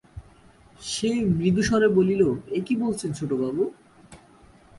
সে মৃদুস্বরে বলিল, এ কী বলছেন ছোটবাবু?